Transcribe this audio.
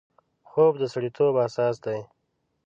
خوب د سړیتوب اساس دی